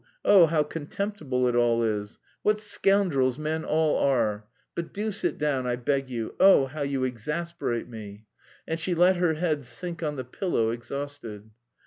Oh, how contemptible it all is! What scoundrels men all are! But do sit down, I beg you, oh, how you exasperate me!" and she let her head sink on the pillow, exhausted.